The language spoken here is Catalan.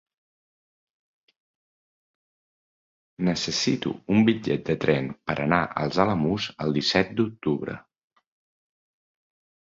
Necessito un bitllet de tren per anar als Alamús el disset d'octubre.